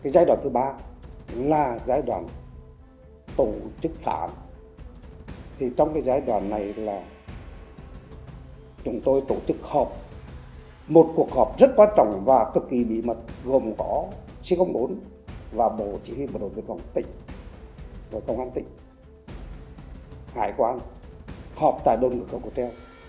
đây là chúng tôi tổ chức họp một cuộc họp rất quan trọng và cực kỳ bí mật gồm có sĩ công đốn và bộ chỉ huy bộ đồng viên công an tỉnh hải quang họp tại đồn cửa sở cô tre